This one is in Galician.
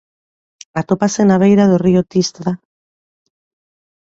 Atópase na beira do río Tisza.